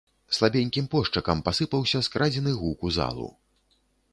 Слабенькім пошчакам пасыпаўся скрадзены гук у залу.